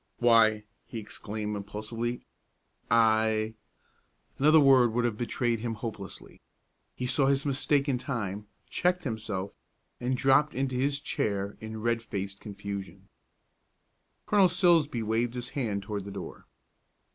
"Why!" he exclaimed impulsively, "I " Another word would have betrayed him hopelessly. He saw his mistake in time, checked himself, and dropped into his chair in red faced confusion. Colonel Silsbee waved his hand toward the door.